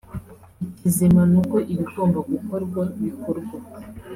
Ikizima ni uko ibigomba gukorwa bikorwa